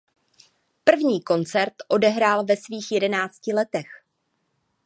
První koncert odehrál ve svých jedenácti letech.